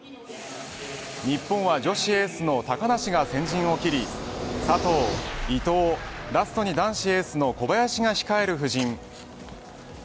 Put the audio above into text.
日本は女子エースの高梨が先陣を切り佐藤、伊藤ラストに男子エースの小林が控える布陣。